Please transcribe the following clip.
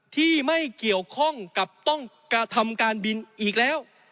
ที่ไม่เกี่ยวข้องกับต้องกระทำการบินอีกแล้ว